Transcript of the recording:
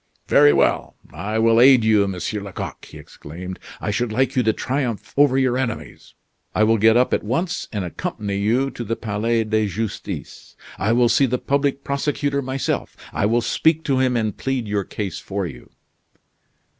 "Very well! I will aid you, Monsieur Lecoq," he exclaimed. "I should like you to triumph over your enemies. I will get up at once and accompany you to the Palais de Justice. I will see the public prosecutor myself; I will speak to him, and plead your case for you."